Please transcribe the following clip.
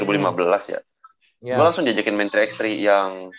gue langsung jajakin main tiga x tiga yang